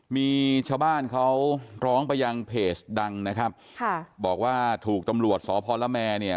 มีชาวบ้านเขาร้องไปยังเพจดังนะครับค่ะบอกว่าถูกตำรวจสพละแมเนี่ย